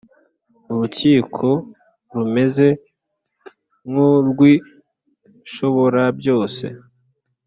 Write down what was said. urukiko rumeze nk urw Ishoborabyose